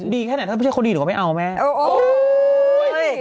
แค่ไหนถ้าไม่ใช่คนดีหรือว่าไม่เอาแม่